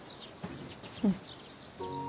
うん。